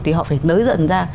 thì họ phải nới dần ra